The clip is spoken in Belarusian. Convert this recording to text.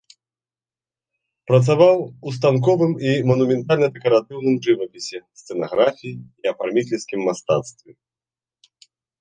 Працаваў у станковым і манументальна-дэкаратыўным жывапісе, сцэнаграфіі і афарміцельскім мастацтве.